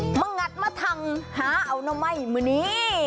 เฮ้ยมางัดมาทังหาเอาน่าไหมมันนี่